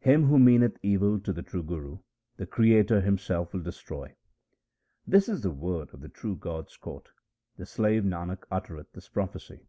Him who meaneth evil to the true Guru the Creator Himself will destroy. This is the word of the true God's court ; the slave Nanak uttereth this prophecy.